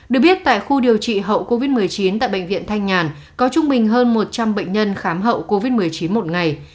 được biết tại khu điều trị hậu covid một mươi chín tại bệnh viện thanh nhàn có trung bình hơn một trăm linh bệnh nhân khám hậu covid một mươi chín một ngày